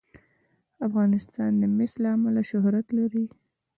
افغانستان د مس له امله شهرت لري.